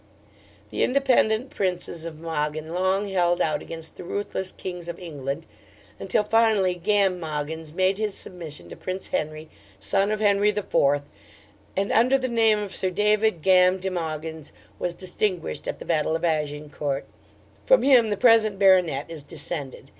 The independent Princes of Mogyn long held out against the ruthless Kings of England, until finally Gam Mogyns made his submission to Prince Henry, son of Henry IV., and under the name of Sir David Gam de Mogyns, was distinguished at the battle of Agincourt. From him the present Baronet is descended.